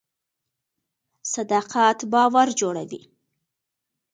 صداقت باور جوړوي